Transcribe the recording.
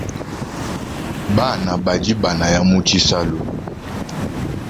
Bana badi banaya mu tshialu.